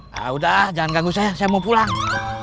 nah udah jangan ganggu saya saya mau pulang